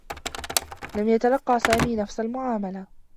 لم يتلقّى سامي نفس المعاملة.